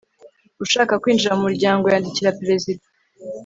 ushaka kwinjira mu muryango yandikira perezida